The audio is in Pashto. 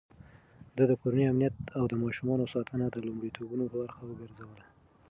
ده د کورنۍ امنيت او د ماشومانو ساتنه د لومړيتوبونو برخه وګرځوله.